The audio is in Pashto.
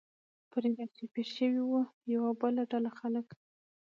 پرې را چاپېر شوي و، یوه بله ډله خلک.